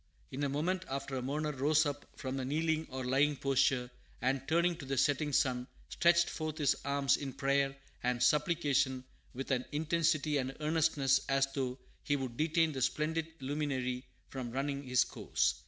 In a moment after a mourner rose up from a kneeling or lying posture, and, turning to the setting sun, stretched forth his arms in prayer and supplication with an intensity and earnestness as though he would detain the splendid luminary from running his course.